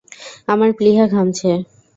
আমার প্লীহা ঘামছে।